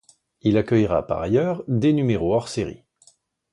Il accueillera par ailleurs des numéros hors série.